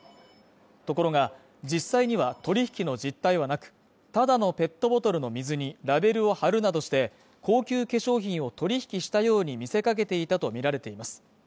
ところが実際には、取引の実態はなく、ただのペットボトルの水にラベルを貼るなどして、高級化粧品を取引したように見せかけていたとみられています。